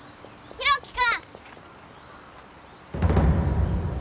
大樹君！